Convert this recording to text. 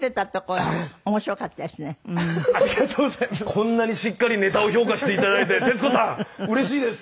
こんなにしっかりネタを評価して頂いて徹子さんうれしいです。